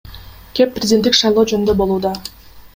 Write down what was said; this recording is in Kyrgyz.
Кеп президенттик шайлоо жөнүндө болууда.